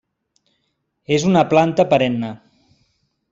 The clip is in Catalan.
És una planta perenne.